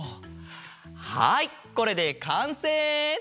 はいこれでかんせい！